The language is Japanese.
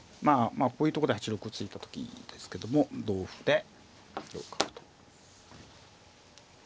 まあこういうとこで８六歩突いた時ですけども同歩で同角と。